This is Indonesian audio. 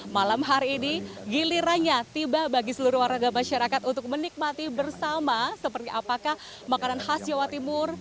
malam hari ini gilirannya tiba bagi seluruh warga masyarakat untuk menikmati bersama seperti apakah makanan khas jawa timur